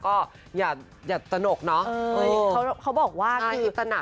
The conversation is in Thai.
ก็อย่าอย่าตระหนักเนอะ